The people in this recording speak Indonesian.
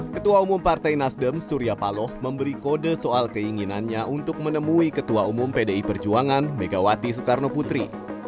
ketua umum partai nasdem surya paloh memberi kode soal keinginannya untuk menemui ketua umum pdi perjuangan megawati soekarno putri